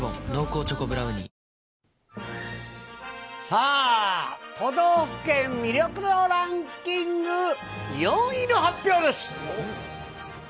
さあ、都道府県魅力度ランキング４位の発表です。